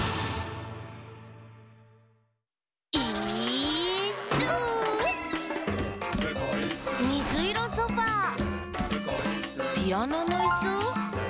「イーッス」「みずいろソファー」「ピアノのいす？」